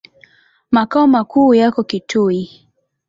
Makao makuu yako Kitui.